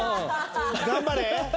頑張れ！